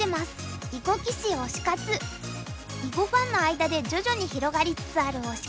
囲碁ファンの間で徐々に広がりつつある推し活。